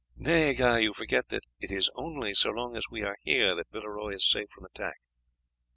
"Nay, Guy, you forget that it is only so long as we are here that Villeroy is safe from attack.